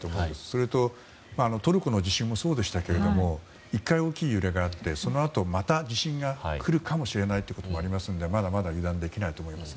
それとトルコの地震もそうでしたが１回大きい揺れがあってそのあとまた地震がくるかもしれないということもありますのでまだまだ油断できないと思います。